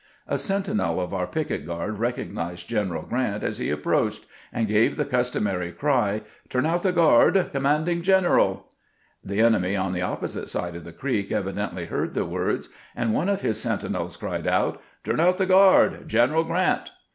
A sentinel of our picket guard recognized General G rant as lie approached, and gave the custom ary cry, " Turn out the guard — commanding general !" The enemy on the opposite side of the creek evidently heard the words, and one of his sentinels cried out, " Turn out the guard — Q eneral G rant